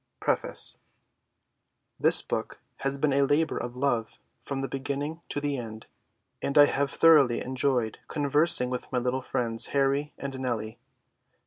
PREFACE. This book has been a labor of love from the beginning to the end, and I have thoroughly enjoyed conversing with my little friends Harry and Nellie.